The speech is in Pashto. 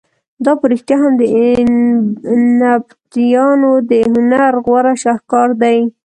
دا په رښتیا هم د نبطیانو د هنر غوره شهکار دی.